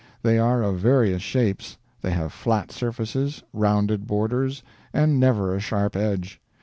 They are of various shapes; they have flat surfaces, rounded borders, and never a sharp edge.